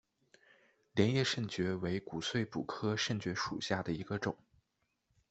镰叶肾蕨为骨碎补科肾蕨属下的一个种。